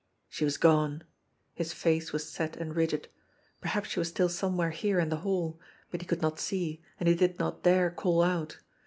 She was gone ! His face was set and rigid. Perhaps she was still somewhere here in the hall; but he could not see, and he did not dare call out.